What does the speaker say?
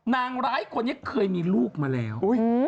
นางร้ายคนนี้เคยมีลูกมาแล้ว